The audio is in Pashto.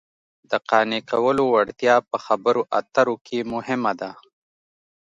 د قانع کولو وړتیا په خبرو اترو کې مهمه ده